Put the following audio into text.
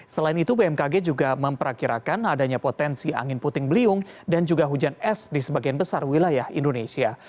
selain itu bmkg juga memperkirakan adanya potensi angin puting beliung dan juga hujan es di sebagian besar wilayah indonesia